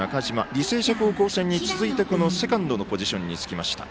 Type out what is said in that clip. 履正社高校戦に続いてセカンドのポジションにつきました。